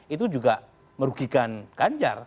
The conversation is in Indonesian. itu juga merugikan ganjar